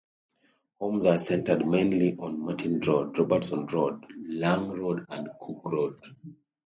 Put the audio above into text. Homes are centred mainly on Martin Road, Robertson Road, Lang Road and Cook Road.